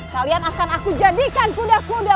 kalian akan aku jadikan kuda kuda